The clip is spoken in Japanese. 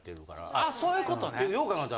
あっそういうことね。